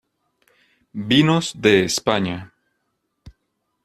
Vinos de España.